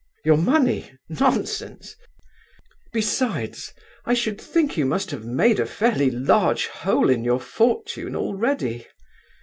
Your money? Nonsense! Besides, I should think you must have made a fairly large hole in your fortune already.